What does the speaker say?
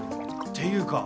っていうか。